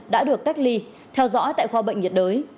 đã được cách ly theo dõi tại khoa bệnh nhiệt đới